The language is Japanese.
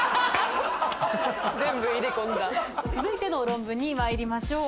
続いての論文に参りましょう。